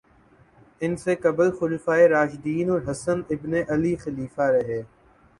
ان سے قبل خلفائے راشدین اور حسن ابن علی خلیفہ رہے